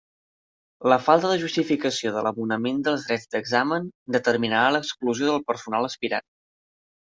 La falta de justificació de l'abonament dels drets d'examen determinarà l'exclusió del personal aspirant.